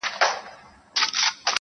اشنا مي پاته په وطن سو-